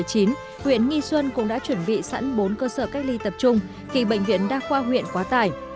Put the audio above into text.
huyện nghi xuân cũng đã chuẩn bị sẵn bốn cơ sở cách ly tập trung khi bệnh viện đa khoa huyện quá tải